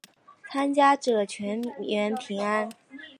参加者全员平安。